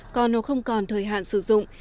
còn hoặc không còn thời hạn sử dụng